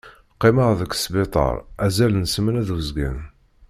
Qqimeɣ deg sbiṭar azal n smana d uzgen.